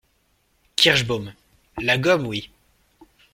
Kirschbaum. — La gomme, oui !